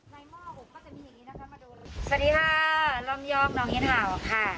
สวัสดีค่ะลำยองหนองหินทาวนี่ค่ะ